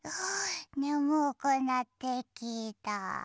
ねむくなってきた。